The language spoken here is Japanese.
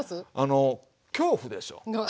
恐怖でしょ？